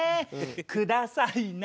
くださいな。